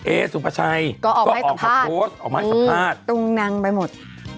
เอสอุปชัยก็ออกข้าวโพสต์ออกไม้สัตว์ภาษณ์อื้อตุ้งนังไปหมด